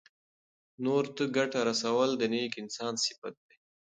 نورو ته ګټه رسول د نېک انسان صفت دی.